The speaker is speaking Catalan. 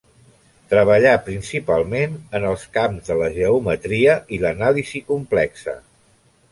Treballà principalment en els camps de la geometria i l'anàlisi complexa.